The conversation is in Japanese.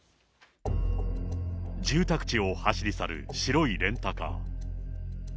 住宅地を走り去る白いレンタカー。